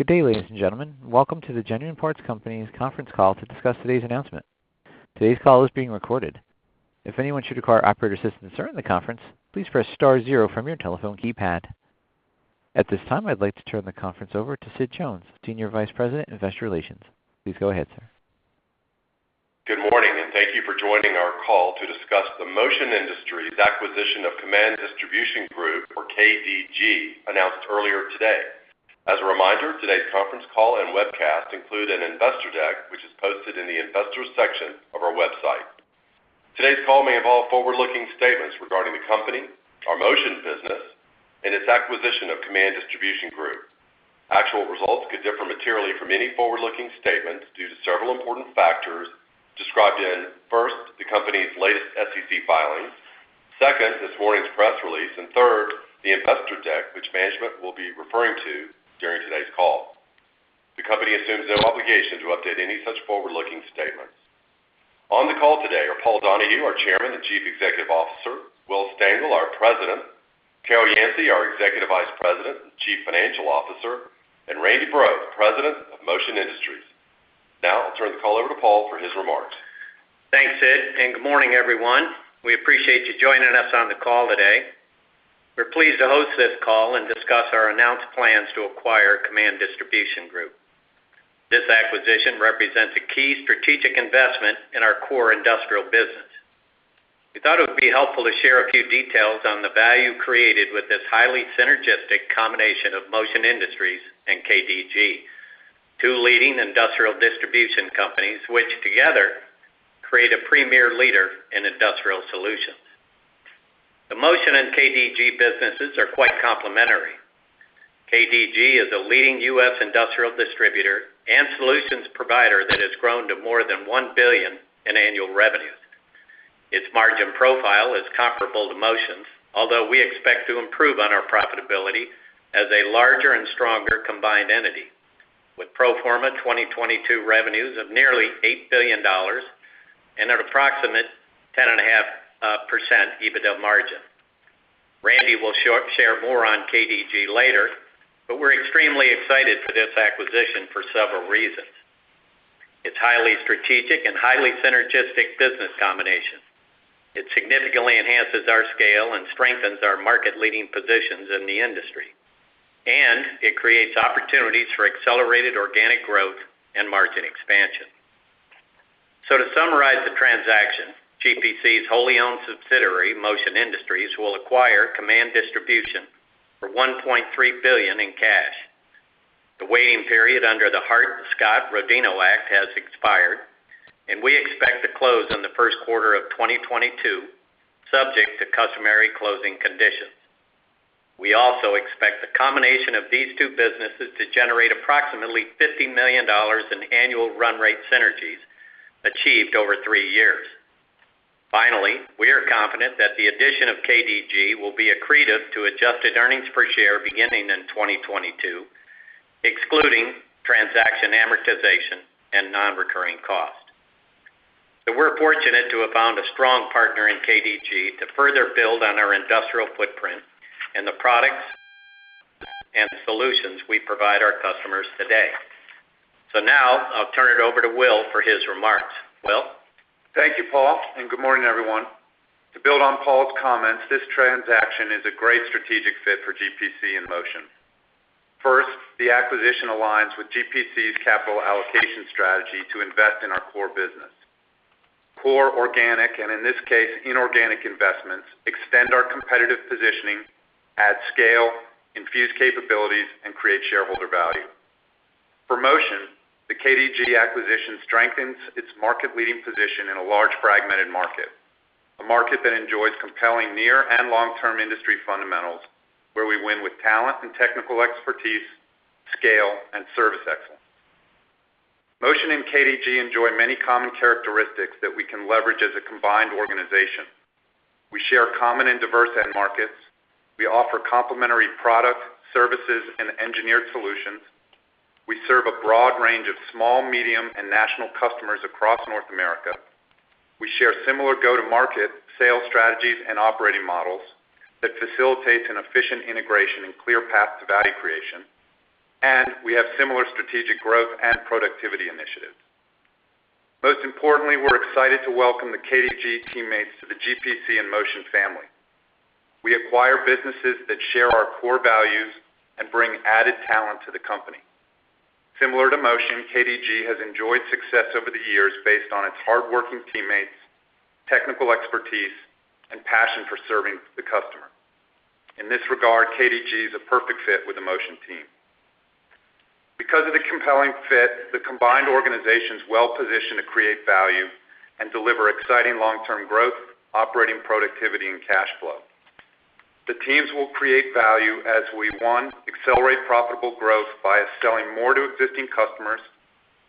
Good day, ladies and gentlemen. Welcome to the Genuine Parts Company's conference call to discuss today's announcement. Today's call is being recorded. If anyone should require operator assistance during the conference, please press star zero from your telephone keypad. At this time, I'd like to turn the conference over to Sid Jones, Senior Vice President, Investor Relations. Please go ahead, sir. Good morning, and thank you for joining our call to discuss the Motion Industries acquisition of Kaman Distribution Group or KDG, announced earlier today. As a reminder, today's conference call and webcast include an investor deck, which is posted in the investors section of our website. Today's call may involve forward-looking statements regarding the company, our Motion business, and its acquisition of Kaman Distribution Group. Actual results could differ materially from any forward-looking statement due to several important factors described in, first, the company's latest SEC filings, second, this morning's press release, and third, the investor deck which management will be referring to during today's call. The company assumes no obligation to update any such forward-looking statements. On the call today are Paul Donahue, our Chairman and Chief Executive Officer, Will Stengel, our President, Carol Yancey, our Executive Vice President and Chief Financial Officer, and Randy Breaux, President of Motion Industries. Now I'll turn the call over to Paul for his remarks. Thanks, Sid, and good morning, everyone. We appreciate you joining us on the call today. We're pleased to host this call and discuss our announced plans to acquire Kaman Distribution Group. This acquisition represents a key strategic investment in our core industrial business. We thought it would be helpful to share a few details on the value created with this highly synergistic combination of Motion Industries and KDG, two leading industrial distribution companies which together create a premier leader in industrial solutions. The Motion and KDG businesses are quite complementary. KDG is a leading U.S. industrial distributor and solutions provider that has grown to more than $1 billion in annual revenues. Its margin profile is comparable to Motion's, although we expect to improve on our profitability as a larger and stronger combined entity with pro forma 2022 revenues of nearly $8 billion and an approximate 10.5% EBITDA margin. Randy will share more on KDG later, but we're extremely excited for this acquisition for several reasons. It's highly strategic and highly synergistic business combination. It significantly enhances our scale and strengthens our market-leading positions in the industry, and it creates opportunities for accelerated organic growth and margin expansion. To summarize the transaction, GPC's wholly owned subsidiary, Motion Industries, will acquire Kaman Distribution for $1.3 billion in cash. The waiting period under the Hart-Scott-Rodino Act has expired, and we expect to close in the first quarter of 2022, subject to customary closing conditions. We also expect the combination of these two businesses to generate approximately $50 million in annual run rate synergies achieved over three years. Finally, we are confident that the addition of KDG will be accretive to adjusted earnings per share beginning in 2022, excluding transaction amortization and non-recurring costs. We're fortunate to have found a strong partner in KDG to further build on our industrial footprint and the products and solutions we provide our customers today. Now I'll turn it over to Will for his remarks. Will? Thank you, Paul, and good morning, everyone. To build on Paul's comments, this transaction is a great strategic fit for GPC and Motion. First, the acquisition aligns with GPC's capital allocation strategy to invest in our core business. Core organic, and in this case, inorganic investments extend our competitive positioning, add scale, infuse capabilities, and create shareholder value. For Motion, the KDG acquisition strengthens its market-leading position in a large fragmented market, a market that enjoys compelling near and long-term industry fundamentals, where we win with talent and technical expertise, scale, and service excellence. Motion and KDG enjoy many common characteristics that we can leverage as a combined organization. We share common and diverse end markets. We offer complementary products, services, and engineered solutions. We serve a broad range of small, medium, and national customers across North America. We share similar go-to-market sales strategies and operating models that facilitate an efficient integration and clear path to value creation. We have similar strategic growth and productivity initiatives. Most importantly, we're excited to welcome the KDG teammates to the GPC and Motion family. We acquire businesses that share our core values and bring added talent to the company. Similar to Motion, KDG has enjoyed success over the years based on its hardworking teammates, technical expertise, and passion for serving the customer. In this regard, KDG is a perfect fit with the Motion team. Because of the compelling fit, the combined organization is well-positioned to create value and deliver exciting long-term growth, operating productivity, and cash flow. The teams will create value as we, one, accelerate profitable growth by selling more to existing customers,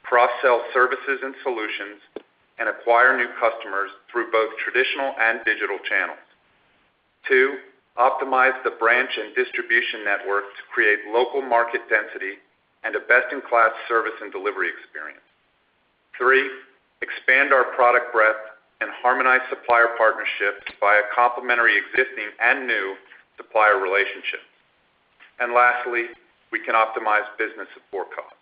cross-sell services and solutions, and acquire new customers through both traditional and digital channels. Two, optimize the branch and distribution network to create local market density and a best-in-class service and delivery experience. Three, expand our product breadth and harmonize supplier partnerships via complementary existing and new supplier relationships. Lastly, we can optimize business support costs.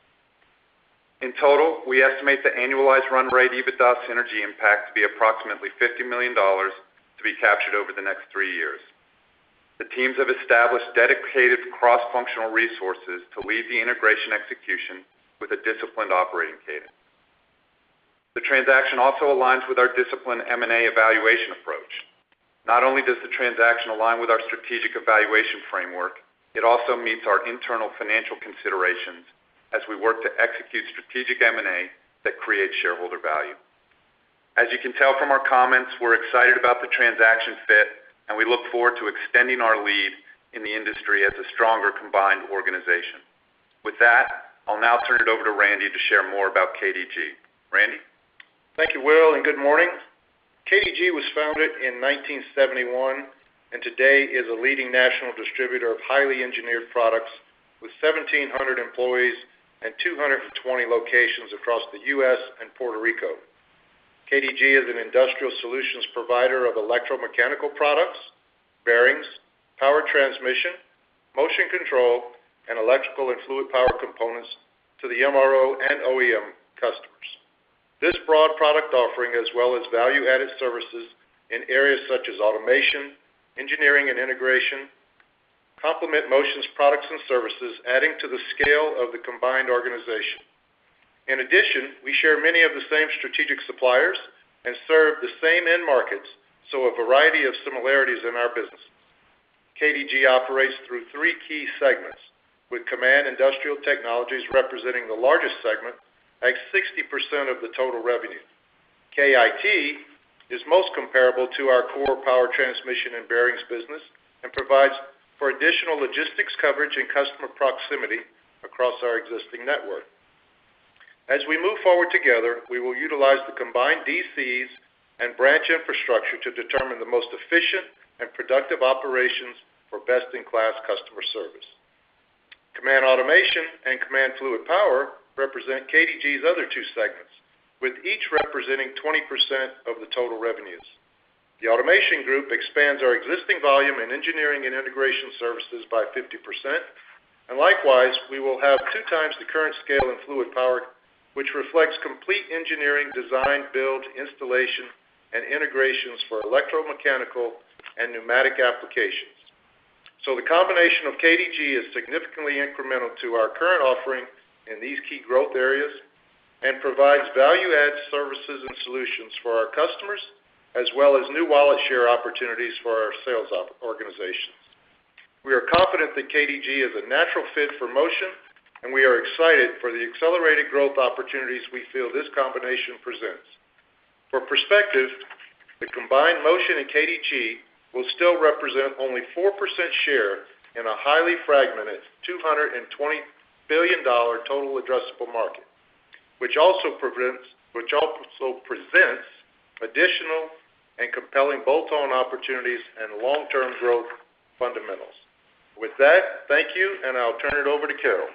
In total, we estimate the annualized run rate EBITDA synergy impact to be approximately $50 million to be captured over the next three years. The teams have established dedicated cross-functional resources to lead the integration execution with a disciplined operating cadence. The transaction also aligns with our disciplined M&A evaluation approach. Not only does the transaction align with our strategic evaluation framework, it also meets our internal financial considerations as we work to execute strategic M&A that creates shareholder value. As you can tell from our comments, we're excited about the transaction fit, and we look forward to extending our lead in the industry as a stronger combined organization. With that, I'll now turn it over to Randy to share more about KDG. Randy? Thank you, Will, and good morning. KDG was founded in 1971 and today is a leading national distributor of highly engineered products with 1,700 employees and 220 locations across the U.S. and Puerto Rico. KDG is an industrial solutions provider of electromechanical products, bearings, power transmission, motion control, and electrical and fluid power components to the MRO and OEM customers. This broad product offering, as well as value-added services in areas such as automation, engineering, and integration, complement Motion's products and services, adding to the scale of the combined organization. In addition, we share many of the same strategic suppliers and serve the same end markets, so a variety of similarities in our business. KDG operates through three key segments, with Kaman Industrial Technologies (KIT) representing the largest segment at 60% of the total revenue. KIT is most comparable to our core power transmission and bearings business, and provides for additional logistics coverage and customer proximity across our existing network. As we move forward together, we will utilize the combined DCs and branch infrastructure to determine the most efficient and productive operations for best-in-class customer service. Kaman Automation and Kaman Fluid Power represent KDG's other two segments, with each representing 20% of the total revenues. The automation group expands our existing volume in engineering and integration services by 50%, and likewise, we will have 2x the current scale in fluid power, which reflects complete engineering design, build, installation, and integrations for electromechanical and pneumatic applications. The combination of KDG is significantly incremental to our current offering in these key growth areas and provides value-add services and solutions for our customers, as well as new wallet share opportunities for our sales organizations. We are confident that KDG is a natural fit for Motion, and we are excited for the accelerated growth opportunities we feel this combination presents. For perspective, the combined Motion and KDG will still represent only 4% share in a highly fragmented $220 billion total addressable market, which also presents additional and compelling bolt-on opportunities and long-term growth fundamentals. With that, thank you, and I'll turn it over to Carol.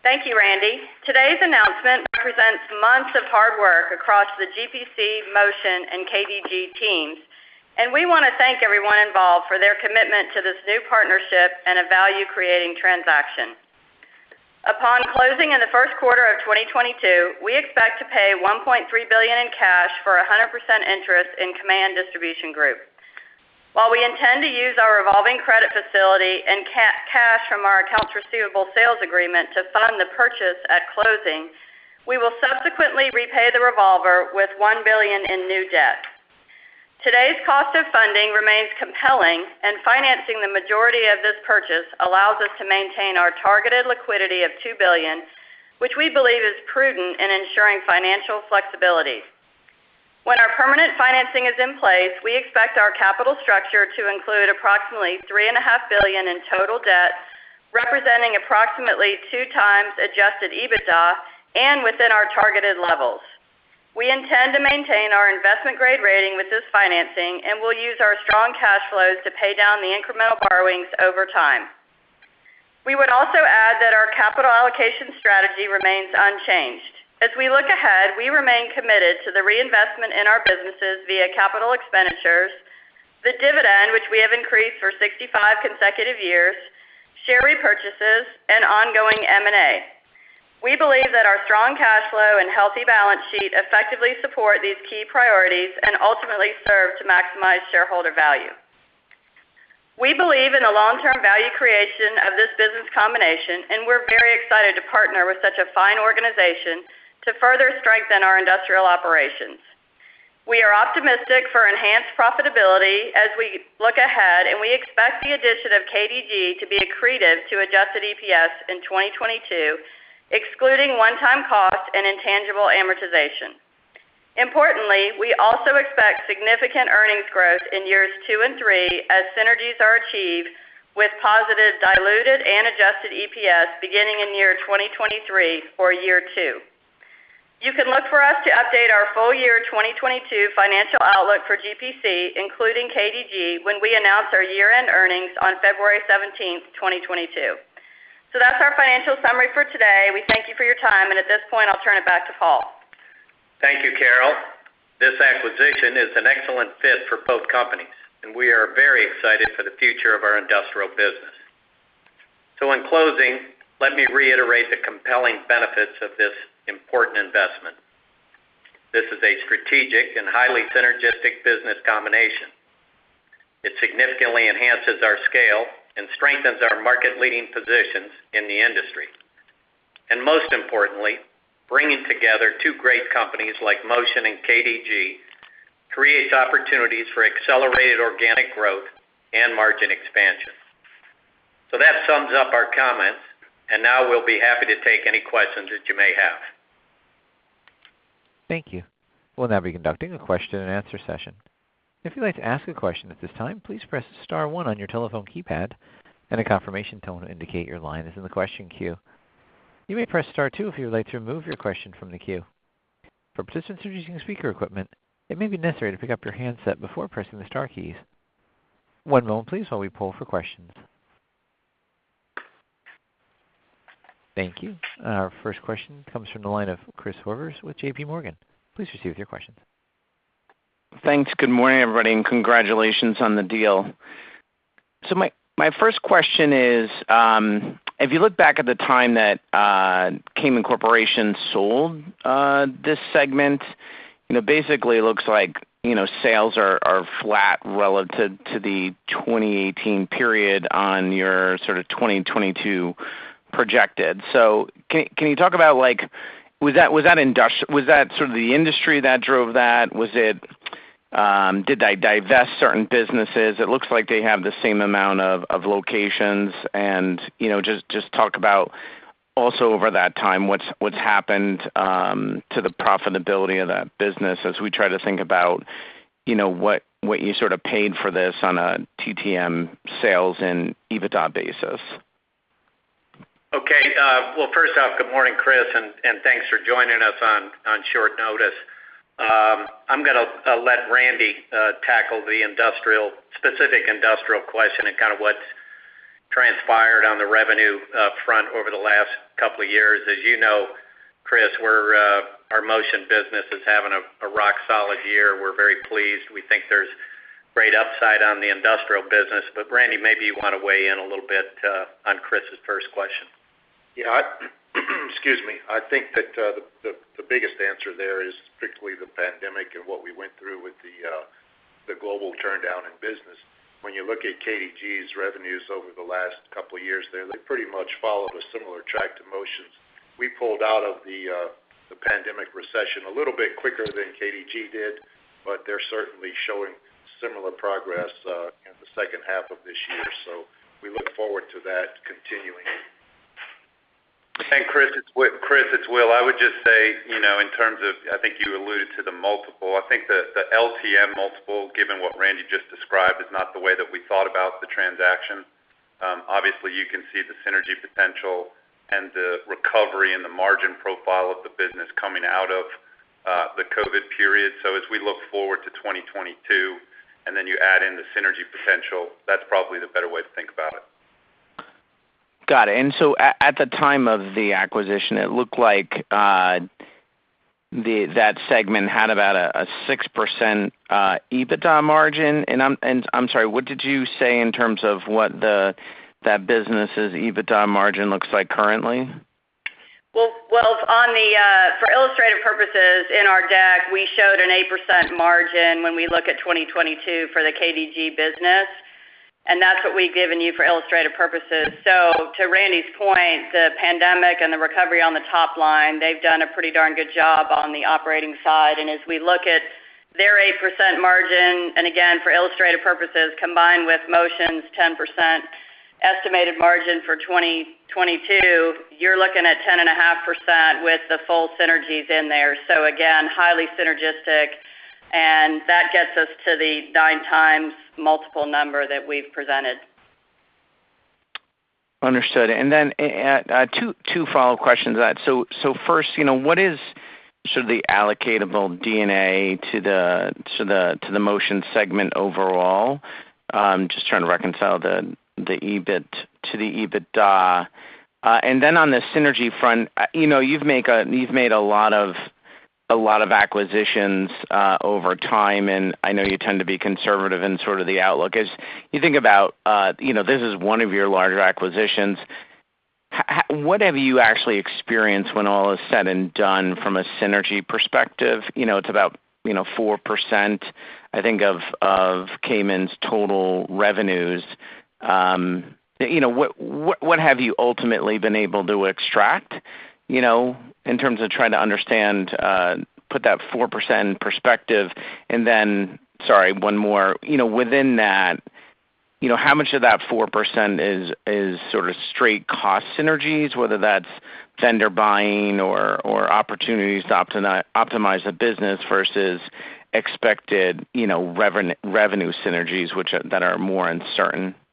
Thank you, Randy. Today's announcement represents months of hard work across the GPC, Motion, and KDG teams, and we wanna thank everyone involved for their commitment to this new partnership and a value-creating transaction. Upon closing in the first quarter of 2022, we expect to pay $1.3 billion in cash for 100% interest in Kaman Distribution Group. While we intend to use our revolving credit facility and cash from our accounts receivable sales agreement to fund the purchase at closing, we will subsequently repay the revolver with $1 billion in new debt. Today's cost of funding remains compelling, and financing the majority of this purchase allows us to maintain our targeted liquidity of $2 billion, which we believe is prudent in ensuring financial flexibility. When our permanent financing is in place, we expect our capital structure to include approximately $3.5 billion in total debt, representing approximately 2x adjusted EBITDA and within our targeted levels. We intend to maintain our investment-grade rating with this financing, and we'll use our strong cash flows to pay down the incremental borrowings over time. We would also add that our capital allocation strategy remains unchanged. As we look ahead, we remain committed to the reinvestment in our businesses via capital expenditures, the dividend, which we have increased for 65 consecutive years, share repurchases, and ongoing M&A. We believe that our strong cash flow and healthy balance sheet effectively support these key priorities and ultimately serve to maximize shareholder value. We believe in the long-term value creation of this business combination, and we're very excited to partner with such a fine organization to further strengthen our industrial operations. We are optimistic for enhanced profitability as we look ahead, and we expect the addition of KDG to be accretive to adjusted EPS in 2022, excluding one-time costs and intangible amortization. Importantly, we also expect significant earnings growth in years two and three, as synergies are achieved with positive diluted and adjusted EPS beginning in year 2023 or year two. You can look for us to update our full year 2022 financial outlook for GPC, including KDG, when we announce our year-end earnings on February 17, 2022. That's our financial summary for today. We thank you for your time, and at this point, I'll turn it back to Paul. Thank you, Carol. This acquisition is an excellent fit for both companies, and we are very excited for the future of our industrial business. In closing, let me reiterate the compelling benefits of this important investment. This is a strategic and highly synergistic business combination. It significantly enhances our scale and strengthens our market-leading positions in the industry, and most importantly, bringing together two great companies like Motion and KDG creates opportunities for accelerated organic growth and margin expansion. That sums up our comments, and now we'll be happy to take any questions that you may have. Thank you. We'll now be conducting a question-and-answer session. If you'd like to ask a question at this time, please press star one on your telephone keypad, and a confirmation tone will indicate your line is in the question queue. You may press star two if you would like to remove your question from the queue. For participants who are using speaker equipment, it may be necessary to pick up your handset before pressing the star keys. One moment please while we poll for questions. Thank you. Our first question comes from the line of Chris Horvers with JPMorgan. Please proceed with your question. Thanks. Good morning, everybody, and congratulations on the deal. My first question is, if you look back at the time that Kaman Corporation sold this segment, you know, basically it looks like, you know, sales are flat relative to the 2018 period on your, sort of, 2022 projected. Can you talk about like was that sort of the industry that drove that? Was it, did they divest certain businesses? It looks like they have the same amount of locations and, you know, just talk about also over that time, what's happened to the profitability of that business as we try to think about, you know, what you sort of paid for this on a TTM sales and EBITDA basis. Okay. Well, first off, good morning, Chris, and thanks for joining us on short notice. I'm gonna let Randy tackle the specific industrial question, and kind of what's transpired on the revenue front over the last couple of years. As you know, Chris, our Motion business is having a rock-solid year. We're very pleased. We think there's great upside on the industrial business. Randy, maybe you want to weigh in a little bit on Chris's first question. Excuse me. I think that the biggest answer there is strictly the pandemic and what we went through with the global downturn in business. When you look at KDG's revenues over the last couple of years there, they pretty much followed a similar track to Motion's. We pulled out of the pandemic recession a little bit quicker than KDG did, but they're certainly showing similar progress in the second half of this year. We look forward to that continuing. Chris, it's Will. I would just say, you know, in terms of, I think you alluded to the multiple, I think the LTM multiple, given what Randy just described, is not the way that we thought about the transaction. Obviously, you can see the synergy potential and the recovery, and the margin profile of the business coming out of the COVID period. As we look forward to 2022, and then you add in the synergy potential, that's probably the better way to think about it. Got it. At the time of the acquisition, it looked like that segment had about a 6% EBITDA margin. I'm sorry, what did you say in terms of what that business' EBITDA margin looks like currently? Well, for illustrative purposes in our deck, we showed an 8% margin when we look at 2022 for the KDG business, and that's what we've given you for illustrative purposes. To Randy's point, the pandemic and the recovery on the top line, they've done a pretty darn good job on the operating side. As we look at their 8% margin, and again, for illustrative purposes, combined with Motion's 10% estimated margin for 2022, you're looking at 10.5% with the full synergies in there. Again, highly synergistic, and that gets us to the 9x multiple number that we've presented. Understood. Then, two follow-up questions. First, you know, what is sort of the allocatable D&A to the Motion segment overall? Just trying to reconcile the EBIT to the EBITDA. Then on the synergy front, you know, you've made a lot of acquisitions over time, and I know you tend to be conservative in sort of the outlook. As you think about, you know, this as one of your larger acquisitions, what have you actually experienced when all is said and done from a synergy perspective? You know, it's about, you know, 4%, I think, of Kaman's total revenues. You know, what have you ultimately been able to extract, you know, in terms of trying to understand, put that 4% in perspective? Then, sorry, one more. You know, within that, you know, how much of that 4% is sort of straight cost synergies, whether that's vendor buying or opportunities to optimize the business versus expected, you know, revenue synergies that are more uncertain? Yeah,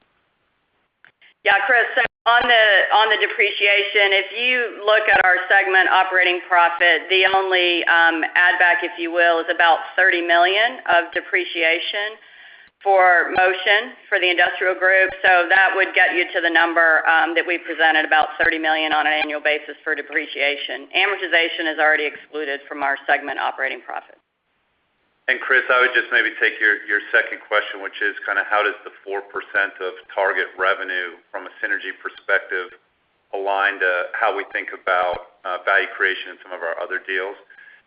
Chris. On the depreciation, if you look at our segment operating profit, the only add back, if you will, is about $30 million of depreciation for Motion, for the industrial group. That would get you to the number that we presented about $30 million on an annual basis for depreciation. Amortization is already excluded from our segment operating profit. Chris, I would just maybe take your second question, which is kind of how does the 4% of target revenue from a synergy perspective align to how we think about value creation in some of our other deals.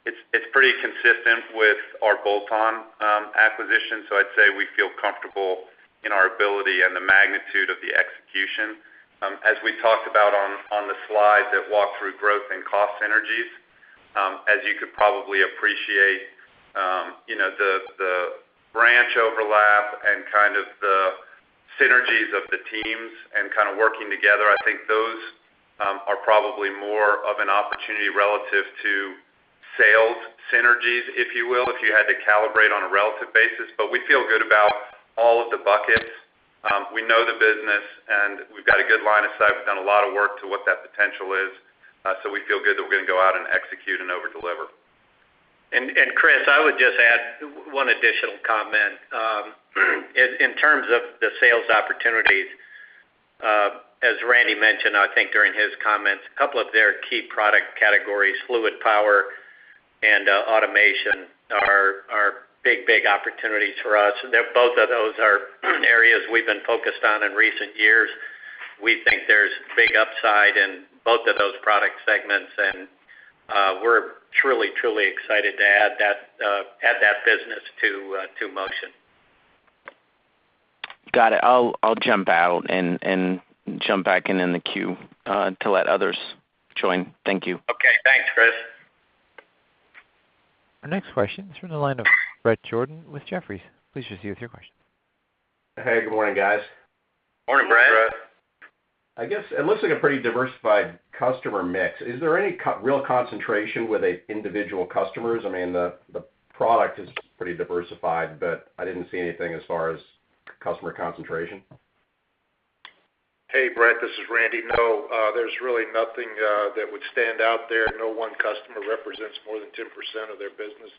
It's pretty consistent with our bolt-on acquisition. I'd say we feel comfortable in our ability and the magnitude of the execution. As we talked about on the slide that walked through growth and cost synergies, as you could probably appreciate, you know, the branch overlap and kind of the synergies of the teams and kind of working together, I think those are probably more of an opportunity relative to sales synergies, if you will, if you had to calibrate on a relative basis. We feel good about all of the buckets. We know the business, and we've got a good line of sight. We've done a lot of work to what that potential is. We feel good that we're gonna go out and execute and over-deliver. Chris, I would just add one additional comment. In terms of the sales opportunities, as Randy mentioned, I think during his comments, a couple of their key product categories, fluid power and automation are big opportunities for us. Both of those are areas we've been focused on in recent years. We think there's big upside in both of those product segments, and we're truly excited to add that business to Motion. Got it. I'll jump out and jump back in in the queue to let others join. Thank you. Okay. Thanks, Chris. Our next question is from the line of Bret Jordan with Jefferies. Please proceed with your question. Hey, good morning, guys. Morning, Bret. Morning, Bret. I guess it looks like a pretty diversified customer mix. Is there any real concentration with an individual customers? I mean, the product is pretty diversified, but I didn't see anything as far as customer concentration. Hey, Bret, this is Randy. No, there's really nothing that would stand out there. No one customer represents more than 10% of their business,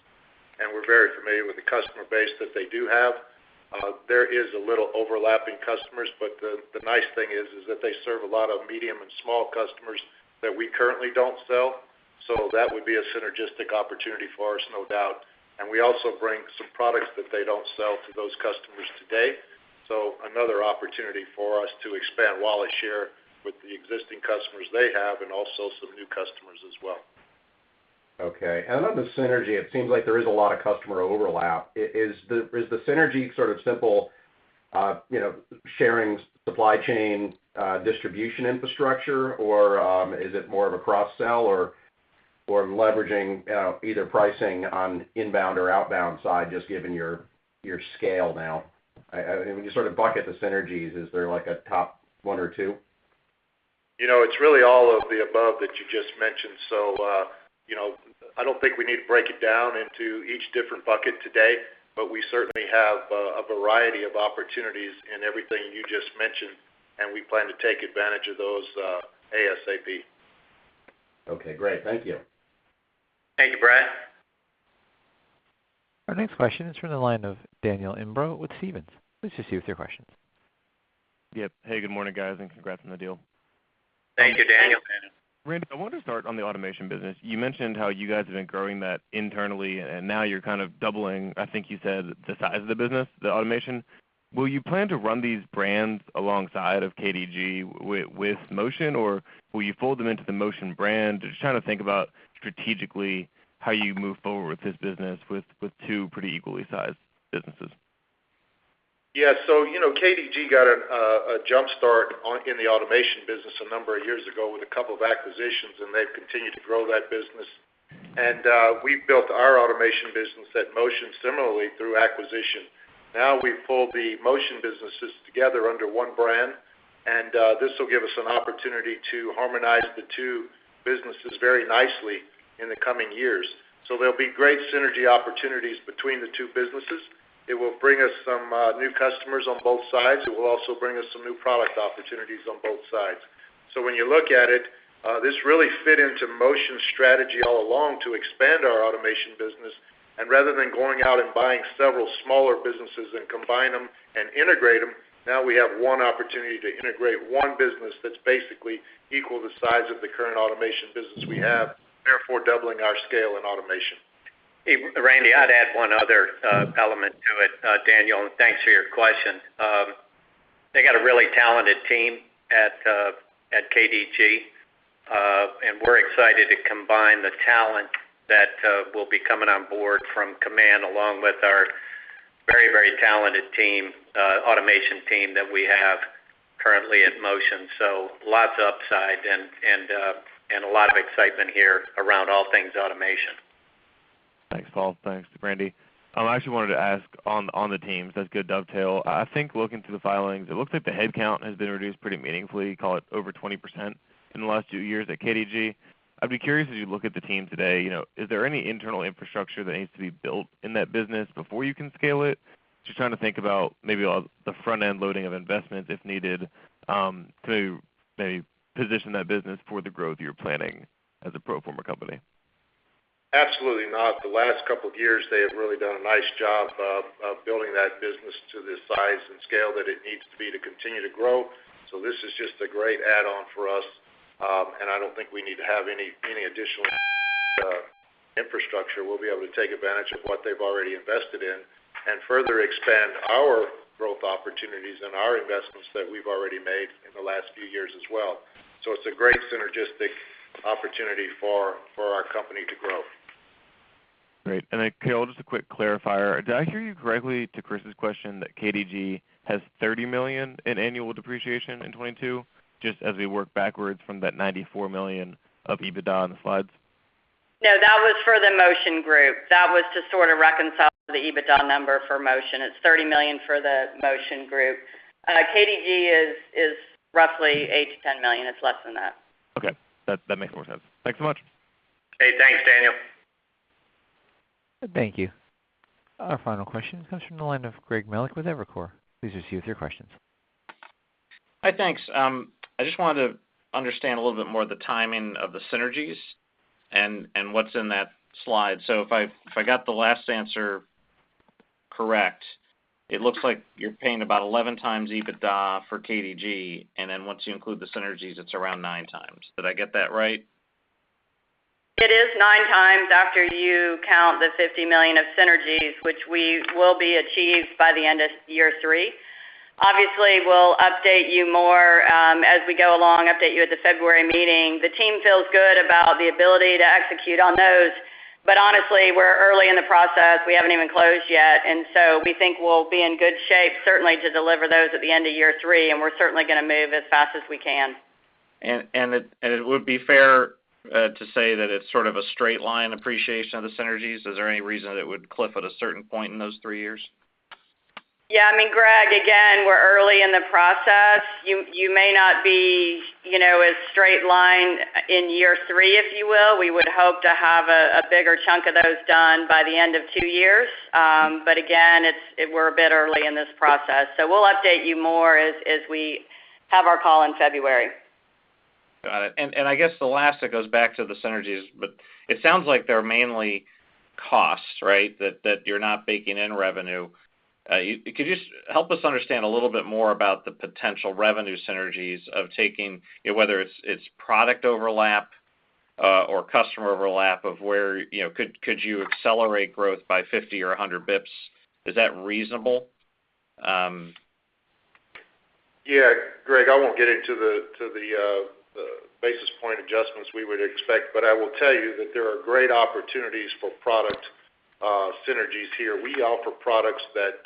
and we're very familiar with the customer base that they do have. There is a little overlap in customers, but the nice thing is that they serve a lot of medium and small customers that we currently don't sell to. That would be a synergistic opportunity for us, no doubt. We also bring some products that they don't sell to those customers today, so another opportunity for us to expand wallet share with the existing customers they have, and also some new customers as well. Okay. On the synergy, it seems like there is a lot of customer overlap. Is the synergy sort of simple, you know, sharing supply chain, distribution infrastructure, or is it more of a cross-sell or leveraging either pricing on inbound or outbound side, just given your scale now? When you sort of bucket the synergies, is there like a top one or two? You know, it's really all of the above that you just mentioned. You know, I don't think we need to break it down into each different bucket today, but we certainly have a variety of opportunities in everything you just mentioned, and we plan to take advantage of those, ASAP. Okay, great. Thank you. Thank you, Bret. Our next question is from the line of Daniel Imbro with Stephens. Please proceed with your questions. Yep. Hey, good morning, guys, and congrats on the deal. Thank you, Daniel. Thanks. Randy, I wanted to start on the automation business. You mentioned how you guys have been growing that internally, and now you're kind of doubling, I think you said, the size of the business, the automation. Will you plan to run these brands alongside of KDG with Motion, or will you fold them into the Motion brand? Just trying to think about strategically how you move forward with this business with two pretty equally sized businesses. Yeah. You know, KDG got a jump-start in the automation business a number of years ago with a couple of acquisitions, and they've continued to grow that business. We've built our automation business at Motion similarly through acquisition. Now we've pulled the Motion businesses together under one brand, this will give us an opportunity to harmonize the two businesses very nicely in the coming years. There'll be great synergy opportunities between the two businesses. It will bring us some new customers on both sides. It will also bring us some new product opportunities on both sides. When you look at it, this really fit into Motion's strategy all along to expand our automation business. Rather than going out and buying several smaller businesses and combine them and integrate them, now we have one opportunity to integrate one business that's basically equal to the size of the current automation business we have, therefore doubling our scale in automation. Hey, Randy, I'd add one other element to it, Daniel, and thanks for your question. They got a really talented team at KDG, and we're excited to combine the talent that will be coming on board from Kaman, along with our very, very talented team, automation team that we have currently at Motion. Lots of upside and a lot of excitement here around all things automation. Thanks, Paul. Thanks, Randy. I actually wanted to ask on the teams. That's a good dovetail. I think looking through the filings, it looks like the headcount has been reduced pretty meaningfully, call it over 20% in the last few years at KDG. I'd be curious, as you look at the team today, you know, is there any internal infrastructure that needs to be built in that business before you can scale it? Just trying to think about maybe all the front-end loading of investment, if needed, to position that business for the growth you're planning as a pro forma company. Absolutely not. The last couple of years, they have really done a nice job of building that business to the size and scale that it needs to be to continue to grow. This is just a great add-on for us. I don't think we need to have any additional infrastructure. We'll be able to take advantage of what they've already invested in, and further expand our growth opportunities and our investments that we've already made in the last few years as well. It's a great synergistic opportunity for our company to grow. Great. Carol, just a quick clarifier. Did I hear you correctly to Chris's question that KDG has $30 million in annual depreciation in 2022, just as we work backwards from that $94 million of EBITDA on the slides? No, that was for the Motion group. That was to sort of reconcile the EBITDA number for Motion. It's $30 million for the Motion group. KDG is roughly $8 million-$10 million. It's less than that. Okay. That makes more sense. Thanks so much. Hey, thanks, Daniel. Thank you. Our final question comes from the line of Greg Melich with Evercore. Please proceed with your questions. Hi. Thanks. I just wanted to understand a little bit more of the timing of the synergies and what's in that slide. If I got the last answer correct, it looks like you're paying about 11x EBITDA for KDG, and then once you include the synergies, it's around 9x. Did I get that right? It's 9x after you count the $50 million of synergies, which we will achieve by the end of year three. Obviously, we'll update you more, as we go along, update you at the February meeting. The team feels good about the ability to execute on those. Honestly, we're early in the process. We haven't even closed yet, and so we think we'll be in good shape certainly to deliver those at the end of year three, and we're certainly gonna move as fast as we can. It would be fair to say that it's sort of a straight line appreciation of the synergies? Is there any reason that it would clip at a certain point in those three years? Yeah, I mean, Greg, again, we're early in the process. You may not be, you know, as straight line in year three, if you will. We would hope to have a bigger chunk of those done by the end of two years. But again, we're a bit early in this process. We'll update you more as we have our call in February. Got it. I guess the last that goes back to the synergies, but it sounds like they're mainly costs, right, that you're not baking in revenue. Could you just help us understand a little bit more about the potential revenue synergies of taking, whether it's product overlap or customer overlap of where, you know, could you accelerate growth by 50 basis points or 100 basis points? Is that reasonable? Yeah, Greg, I won't get into the basis point adjustments we would expect, but I will tell you that there are great opportunities for product synergies here. We offer products that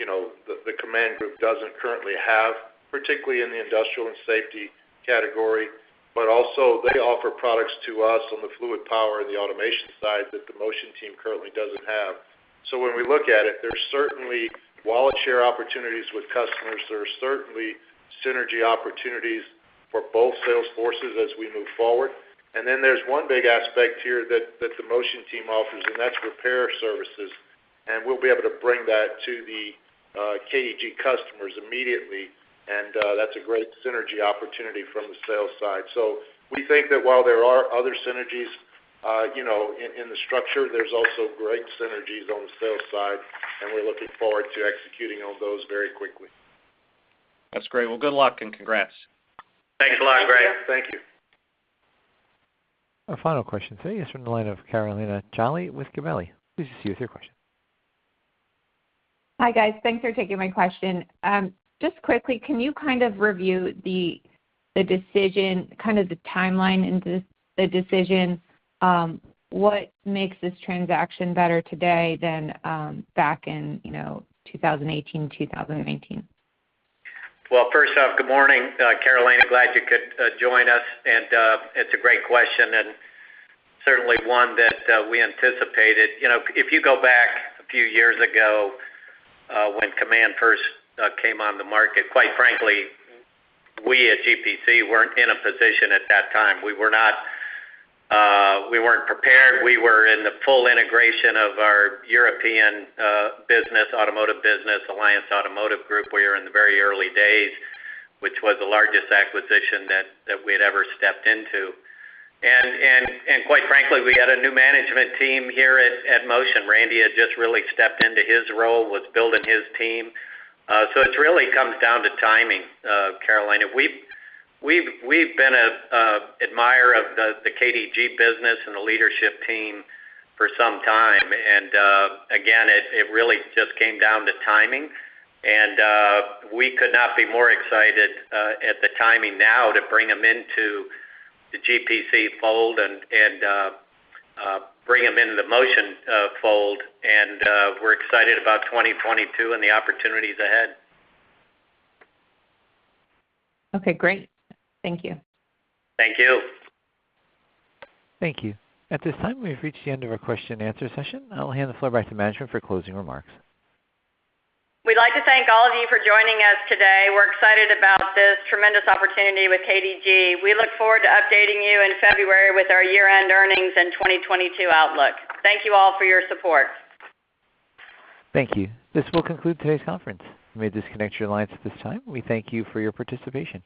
you know the Kaman Group doesn't currently have, particularly in the industrial and safety category, but also they offer products to us on the fluid power and the automation side that the Motion team currently doesn't have. When we look at it, there's certainly wallet share opportunities with customers. There are certainly synergy opportunities for both sales forces as we move forward. Then there's one big aspect here that the Motion team offers, and that's repair services. We'll be able to bring that to the KDG customers immediately, and that's a great synergy opportunity from the sales side. We think that while there are other synergies, in the structure, there's also great synergies on the sales side, and we're looking forward to executing on those very quickly. That's great. Well, good luck and congrats. Thanks a lot, Greg. Thank you. Our final question today is from the line of Carolina Jolly with Gabelli. Please proceed with your question. Hi, guys. Thanks for taking my question. Just quickly, can you kind of review the decision, kind of the timeline into the decision? What makes this transaction better today than back in, you know, 2018, 2019? Well, first off, good morning, Carolina. Glad you could join us. It's a great question and certainly one that we anticipated. You know, if you go back a few years ago, when Kaman first came on the market, quite frankly, we at GPC weren't in a position at that time. We weren't prepared. We were in the full integration of our European business, automotive business, Alliance Automotive Group. We are in the very early days, which was the largest acquisition that we had ever stepped into. Quite frankly, we had a new management team here at Motion. Randy had just really stepped into his role, was building his team. It really comes down to timing, Carolina. We've been an admirer of the KDG business and the leadership team for some time. Again, it really just came down to timing. We could not be more excited at the timing now, to bring them into the GPC fold and bring them into the Motion fold. We're excited about 2022 and the opportunities ahead. Okay, great. Thank you. Thank you. Thank you. At this time, we've reached the end of our question and answer session. I'll hand the floor back to management for closing remarks. We'd like to thank all of you for joining us today. We're excited about this tremendous opportunity with KDG. We look forward to updating you in February with our year-end earnings and 2022 outlook. Thank you all for your support. Thank you. This will conclude today's conference. You may disconnect your lines at this time. We thank you for your participation.